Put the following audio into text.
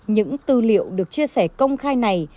những tư liệu được chia sẻ công khai này